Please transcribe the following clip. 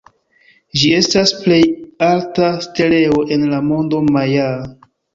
Ĝi estas plej alta steleo en la mondo majaa.